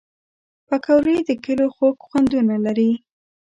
پکورې د کلیو خوږ خوندونه لري